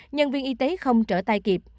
nhân viên y tế không trở tay kịp